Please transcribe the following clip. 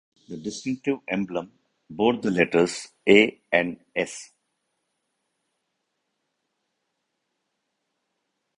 The distinctive emblem bore the letters "A" and "S".